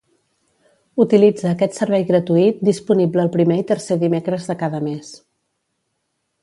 Utilitza aquest servei gratuït disponible el primer i tercer dimecres de cada mes